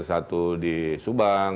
satu di subang